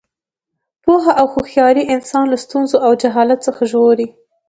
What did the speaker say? پوهه او هوښیاري انسان له ستونزو او جهالت څخه ژغوري.